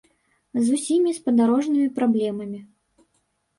З усімі спадарожнымі праблемамі.